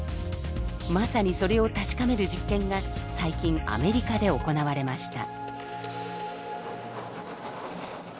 まさにそれを確かめる実験が最近アメリカで行われました。